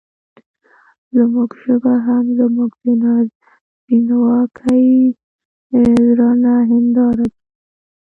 زموږ ژبه هم زموږ د نارينواکۍ رڼه هېنداره ده.